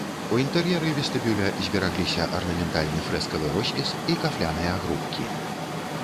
У інтэр'еры вестыбюля зберагліся арнаментальны фрэскавы роспіс і кафляныя грубкі.